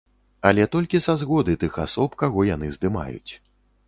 Але толькі са згоды тых асоб, каго яны здымаюць.